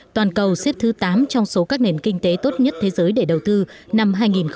toàn cầu xếp thứ tám trong số các nền kinh tế tốt nhất thế giới để đầu tư năm hai nghìn hai mươi